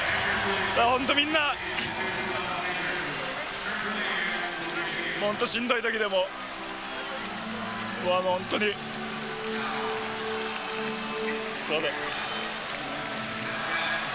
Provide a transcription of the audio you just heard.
本当みんな、本当しんどいときでも、本当に、すみません。